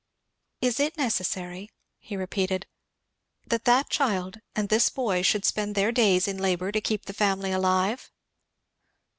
"Is it necessary," he repeated, "that that child and this boy should spend their days in labour to keep the family alive?"